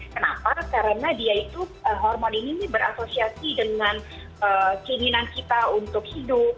kenapa karena dia itu hormon ini berasosiasi dengan keinginan kita untuk hidup